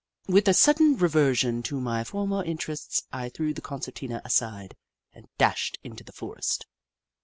With a sudden reversion to my former interests I threw the concertina aside, and dashed into the forest.